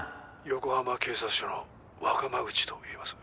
横浜警察署の若真口といいます。